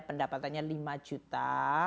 pendapatannya lima juta